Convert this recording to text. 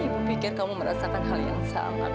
ibu pikir kamu merasakan hal yang sama